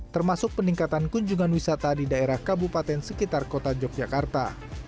termasuk peningkatan kunjungan wisata di daerah kabupaten sekitar kota yogyakarta